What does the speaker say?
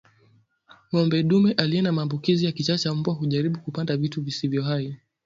Ngombe dume aliye na maambukizi ya kichaa cha mbwa hujaribu kupanda vitu visivyo hai